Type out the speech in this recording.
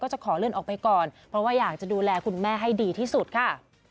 จะขอเลื่อนออกไปก่อนเพราะว่าอยากจะดูแลคุณแม่ให้ดีที่สุดค่ะ